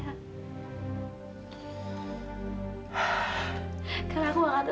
aku gak cinta sedikit pun sama dia